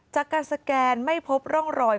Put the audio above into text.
จากการสแกนไม่พบร่องรอย